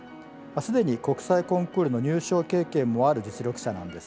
すでに国際コンクールの入賞経験もある実力者なんです。